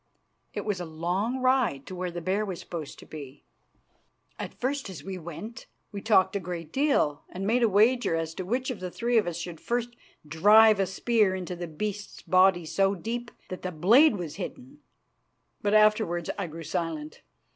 It was a long ride to where the bear was supposed to be. At first as we went we talked a great deal, and made a wager as to which of the three of us should first drive a spear into the beast's body so deep that the blade was hidden, but afterwards I grew silent.